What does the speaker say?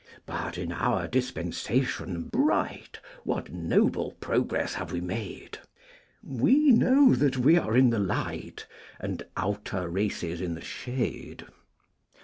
But in our dispensation bright, What noble progress have we made! We know that we are in the light, And outer races in the shade.